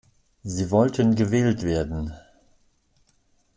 Sie wollten gewählt werden.